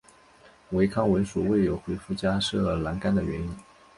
唯康文署未有回覆加设栏杆的原因。